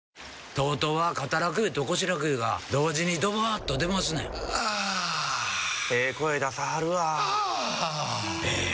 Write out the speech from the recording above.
ＴＯＴＯは肩楽湯と腰楽湯が同時にドバーッと出ますねんあええ声出さはるわあええ